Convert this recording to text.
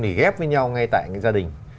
thì ghép với nhau ngay tại gia đình